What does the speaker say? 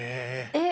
えっ！